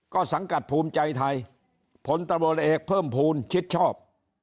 ก็สังกัดภูมิใจไทยผลตำรวจเอกเพิ่มภูมิชิดชอบ